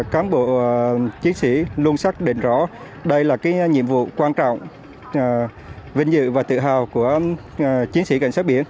cán bộ chiến sĩ luôn xác định rõ đây là nhiệm vụ quan trọng vinh dự và tự hào của chiến sĩ cảnh sát biển